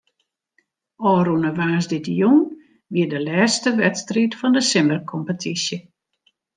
Ofrûne woansdeitejûn wie de lêste wedstriid fan de simmerkompetysje.